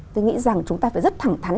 tôi nghĩ rằng chúng ta phải rất thẳng thắn